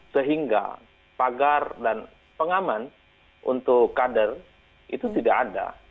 sehingga pagar dan pengaman untuk kader itu tidak ada